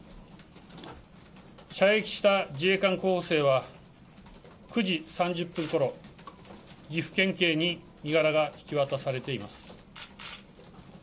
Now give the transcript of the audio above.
射撃した自衛官候補生は９時３０分ごろ、岐阜県警に身柄が引き渡されています。